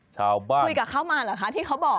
ชาวบ้านคุยกับเขามาเหรอคะที่เขาบอก